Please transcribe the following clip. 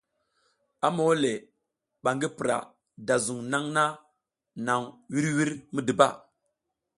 A mole ba ngi pura da zung nang nang vur vur midiba.